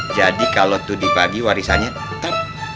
jadi kalo itu dibagi warisannya